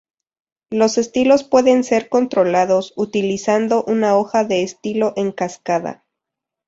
Los estilos pueden ser controlados utilizando una hoja de estilo en cascada.